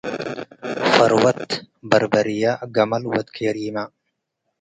ፈርወት በርበሪየ ገመል ወድ ኬሪመ